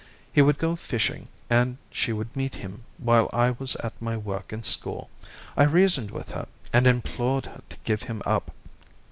He would go fishing, and she would meet him while I was at my work in school. I reasoned with her and implored her to give him up.